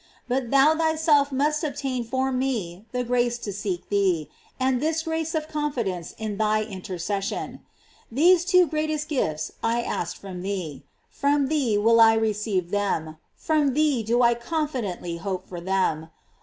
But thou thyself must obtain for me the grace to seek thee, and this grace of confidence in thy intercession. These two greatest gifts I ask from thee — from thee will I receive them — from thee do I confidently hope for them.